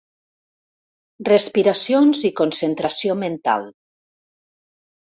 Respiracions i concentració mental.